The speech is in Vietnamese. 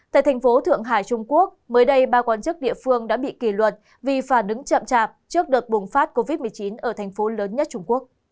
tại thành phố thượng hải trung quốc mới đây ba quan chức địa phương đã bị kỷ luật vì phản ứng chậm chạp trước đợt bùng phát covid một mươi chín ở thành phố lớn nhất trung quốc